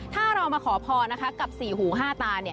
ถ้าเรามาขอพรกับสี่หูห้าตา